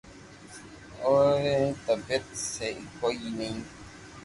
اي ري بي طبعيت سھي ڪوئي ني